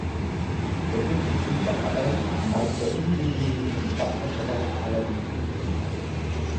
Es lässt sich gut bearbeiten, neigt bei unregelmäßigem Faserverlauf allerdings zum Splittern.